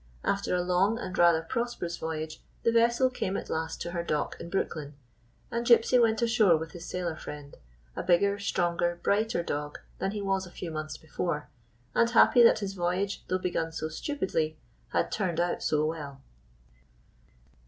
After a long and rather prosperous voyage the vessel came at last to her 173 GYPSY, T PI E TALKING DOG dock in Brooklyn, and Gypsy went asliore with his sailor friend — a bigger, stronger, brighter dog than he was a few months before, and happy that his voyage, though begun so stupidly, had turned out so well.